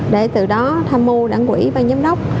để từ đó tham mưu đảng quỹ ban giám đốc